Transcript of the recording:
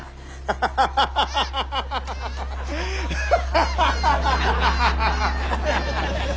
ハハハハハハッ！